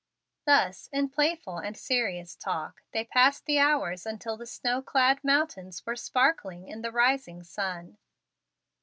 Thus, in playful and serious talk, they passed the hours until the snow clad mountains were sparkling in the rising sun.